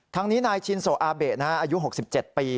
ทั้งนี้นายชินโซอาเบะอายุ๖๗ปี